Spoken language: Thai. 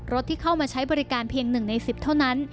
รถที่เข้ามาใช้บริการเพียงหนึ่งในสิบเท่านั้น